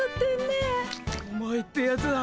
お前ってやつは。